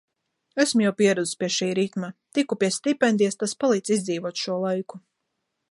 Esmu jau pieradusi pie šī ritma. Tiku pie stipendijas, tas palīdz izdzīvot šo laiku.